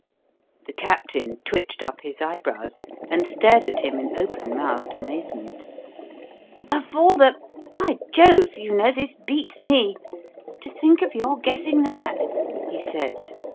The Captain twitched up his eyebrows and stared at him in open mouthed amazement. "Of all the By Jove! you know, this beats me! To think of your guessing that!" he said.